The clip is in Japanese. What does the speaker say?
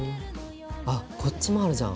あっこっちもあるじゃん。